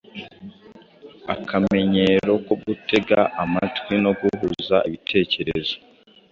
akamenyero ko gutega amatwi no guhuza ibitekerezo.